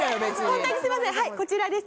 はいこちらです。